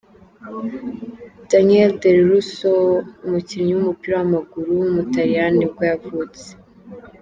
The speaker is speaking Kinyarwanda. Daniel De Rossi, umukinnyi w’umupira w’amaguru w’umutaliyani nibwo yavutse.